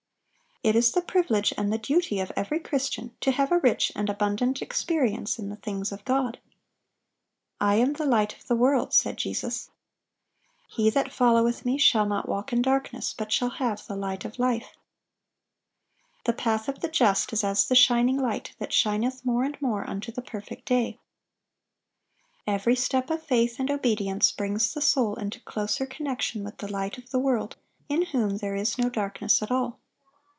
(819) It is the privilege and the duty of every Christian to have a rich and abundant experience in the things of God. "I am the light of the world," said Jesus. "He that followeth Me shall not walk in darkness, but shall have the light of life."(820) "The path of the just is as the shining light, that shineth more and more unto the perfect day."(821) Every step of faith and obedience brings the soul into closer connection with the Light of the world, in whom "there is no darkness at all."